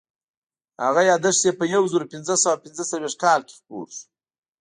هغه یادښت یې په یو زرو پینځه سوه پینځه څلوېښت کال کې خپور شو.